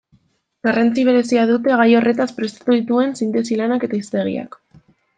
Garrantzi berezia dute gai horretaz prestatu dituen sintesi-lanak eta hiztegiak.